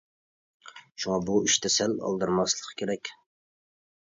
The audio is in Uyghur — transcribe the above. شۇڭا بۇ ئىشتا سەل ئالدىرىماسلىق كېرەك.